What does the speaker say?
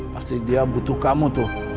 pasti dia butuh kamu tuh